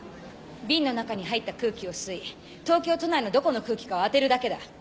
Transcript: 瓶の中に入った空気を吸い東京都内のどこの空気かを当てるだけだ。